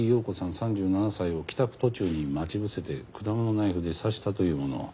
３７歳を帰宅途中に待ち伏せて果物ナイフで刺したというもの。